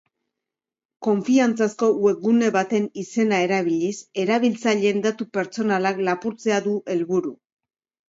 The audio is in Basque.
Konfiantzazko webgune baten izena erabiliz, erabiltzaileen datu pertsonalak lapurtzea du helburu.